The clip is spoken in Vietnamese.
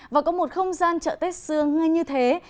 và có một không gian chợ tết xưa ngay như thế